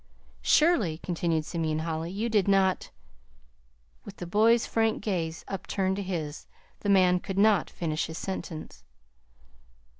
"Surely," continued Simeon Holly, "you did not " With the boy's frank gaze upturned to his, the man could not finish his sentence.